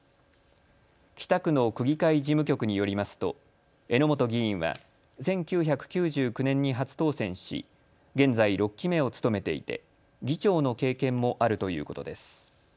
北区の区議会事務局によりますと榎本議員は１９９９年に初当選し現在、６期目を務めていて議長の経験もあるということです。